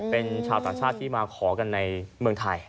เป็นชาวต่างชาติที่มาขอกันในเมืองไทย